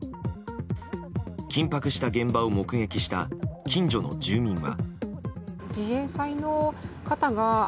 緊迫した現場を目撃した近所の住民は。